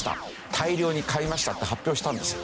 大量に買いましたって発表したんですよ。